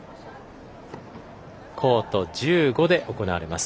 コート１５で行われます。